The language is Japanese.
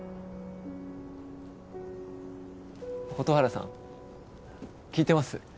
蛍原さん聞いてます？